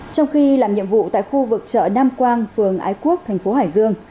trong khi làm nhiệm vụ tại khu vực chợ nam quang phường ái quốc thành phố hải dương